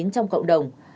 trong cộng đồng